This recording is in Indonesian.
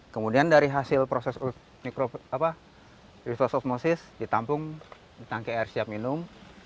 kemudian dari hasil proses risos osmosis ditampung di tangki air siap minum